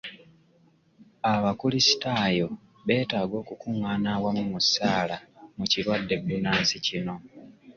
Abakulisitaayo beetaaga okukungaana awamu mu ssaala mu kirwadde bbunansi kino.